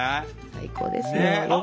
最高ですよ。